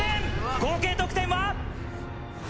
合計得点は。